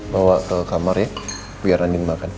bawa ke kamar ya biar andien makan